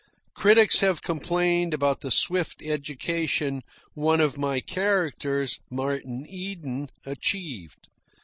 Critics have complained about the swift education one of my characters, Martin Eden, achieved.